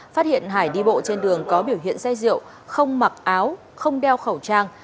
phát hiện hải đi bộ trên đường có biểu hiện say rượu không mặc áo không đeo khẩu trang